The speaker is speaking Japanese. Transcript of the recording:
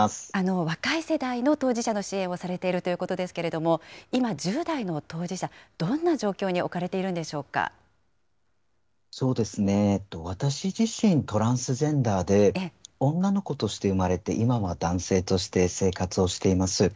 若い世代の当事者の支援をされているということですけれども、今、１０代の当事者、どんな状況そうですね、私自身、トランスジェンダーで、女の子として生まれて、今は男性として生活をしています。